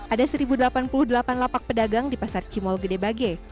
ada satu delapan puluh delapan lapak pedagang di pasar cimol gede bage